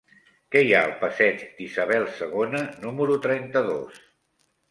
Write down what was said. Què hi ha al passeig d'Isabel II número trenta-dos?